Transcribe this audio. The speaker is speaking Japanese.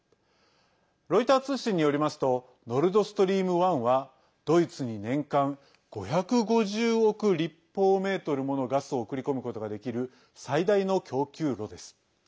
ロイター通信によりますとノルドストリーム１はドイツに年間５５０億立方メートルものガスを送り込むことができる最大の供給路です。